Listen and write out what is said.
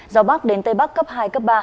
gió bắc đến tây bắc cấp hai cấp ba